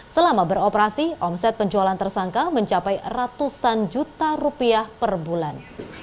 selama beroperasi omset penjualan tersangka mencapai ratusan juta rupiah per bulan